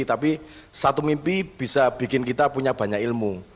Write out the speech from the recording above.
tapi satu mimpi bisa bikin kita punya banyak ilmu